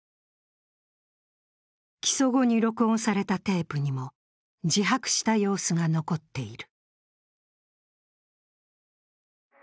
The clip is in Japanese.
起訴後に録音されたテープにも自白した様子が残っている。